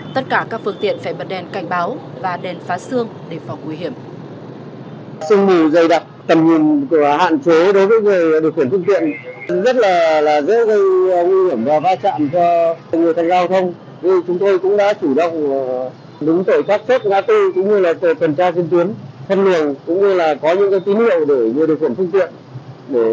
tất cả các phương tiện phải bật đèn cảnh báo và đèn phá sương để phóng nguy hiểm